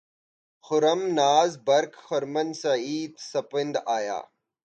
خرام ناز برق خرمن سعی سپند آیا